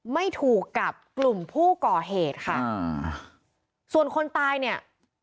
ไม่ถูกกับกลุ่มผู้ก่อเหตุค่ะอ่าส่วนคนตายเนี่ย